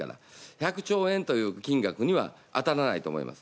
１００兆円という金額には当たらないと思います。